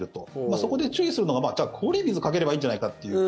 そこで注意するのはじゃあ氷水をかければいいんじゃないかっていう。